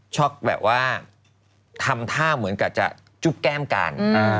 แบบว่าทำท่าเหมือนกับจะจุ๊บแก้มกัน